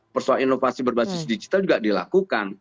persoalan inovasi berbasis digital juga dilakukan